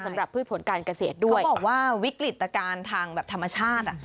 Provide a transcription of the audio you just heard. พืชผลการเกษตรด้วยเขาบอกว่าวิกฤตการณ์ทางแบบธรรมชาติอ่ะ